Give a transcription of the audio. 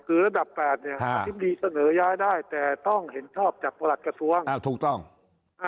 คือระดับแปดเนี่ยอธิบดีเสนอย้ายได้แต่ต้องเห็นชอบจากประหลัดกระทรวงถูกต้อง